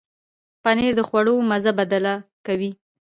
پنېر د خواړو مزه بدله کوي.